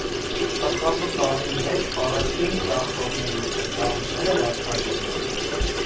Պտղատու ծառերի մեջ առաջին ծաղկողներից է, ծաղիկները վարդագույն են։